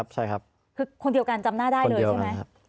ใช่ครับคือคนเดียวกันจำหน้าได้เลยใช่ไหม